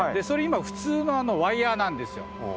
それ今普通のワイヤーなんですよ。